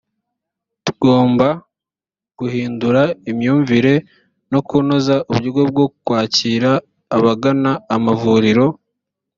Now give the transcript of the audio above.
tgomba guhindura imyumvire no kunoza uburyo bwo kwakira abagana amavuriro.